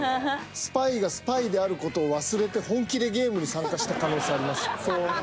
スパイがスパイである事を忘れて本気でゲームに参加した可能性ありますよ。